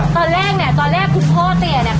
ตอนแรกเนี่ยตอนแรกคุณพ่อเตียเนี่ย